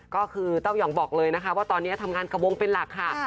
ก็คือเต้ายองบอกเลยนะคะว่าตอนนี้ทำงานกระวงเป็นหลักค่ะ